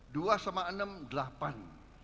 dua sama enam delapan